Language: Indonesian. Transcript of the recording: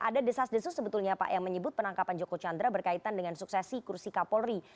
ada desas desus sebetulnya pak yang menyebut penangkapan joko chandra berkaitan dengan suksesi kursi kapolri